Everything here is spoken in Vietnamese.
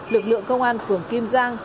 lực lượng công an phường kim giang